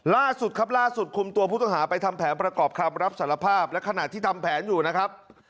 ล่าสุดครับล่าสุดคุมตัวผู้ต้องหาไปทำแผนประกอบคำรับสารภาพและขณะที่ทำแผนอยู่นะครับ